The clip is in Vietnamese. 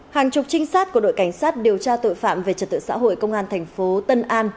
hàng chục trinh sát của đội cảnh sát điều tra tội phạm về trật tự xã hội công an thành phố tân an